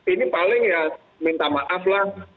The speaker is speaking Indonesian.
ini paling ya minta maaf lah